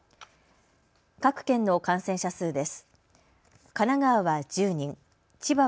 各県の感染者数です。